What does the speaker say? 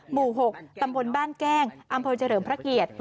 หมู่๖ตำบลบ้านแก้งอำเภอเฉลิมพระเกียรติ